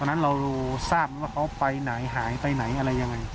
นั้นเราทราบไหมว่าเขาไปไหนหายไปไหนอะไรยังไง